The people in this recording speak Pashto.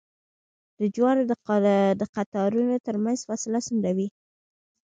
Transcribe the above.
د جوارو د قطارونو ترمنځ فاصله څومره وي؟